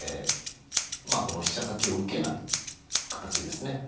この飛車先を受けない形ですね。